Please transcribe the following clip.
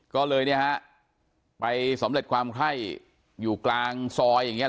ก็เลยเนี่ยฮะไปสำเร็จความไข้อยู่กลางซอยอย่างเงี้